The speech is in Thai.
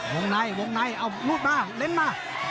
วงในวงในเอารูดมาเน้นมา